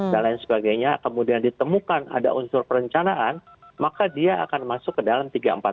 dan lain sebagainya kemudian ditemukan ada unsur perencanaan maka dia akan masuk ke dalam tiga ratus empat puluh